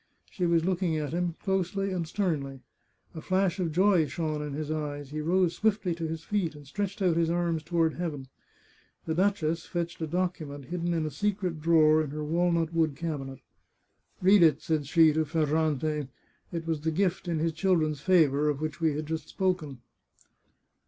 She was looking at him, closely and sternly. A flash of joy shone in his eyes ; he rose swiftly to his feet and stretched out his arms toward heaven. The duchess fetched a docu ment hidden in a secret drawer in her walnut wood cabinet. " Read it," said she to Ferrante. It was the gift in his chil dren's favour, of which we have just spoken.